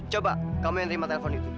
coba kamu yang terima telepon itu